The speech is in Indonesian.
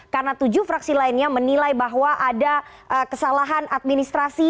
karena tujuh fraksi lainnya menilai bahwa ada kesalahan administrasi